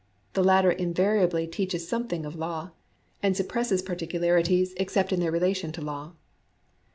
The latter invariably teaches something of law, and suppresses particularities except in their relation to law.